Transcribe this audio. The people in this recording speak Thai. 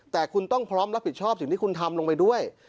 แต่คุณต้องพร้อมรับผิดชอบสิ่งที่คุณทำลงไปด้วย